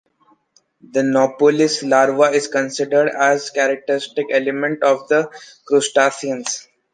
The nauplius larva is considered a characteristic element of the crustaceans.